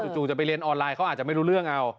จู่จะไปเรียนออนไลน์เขาอาจจะไม่รู้เรื่องเอา